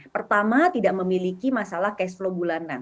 pertama tidak memiliki masalah cash flow bulanan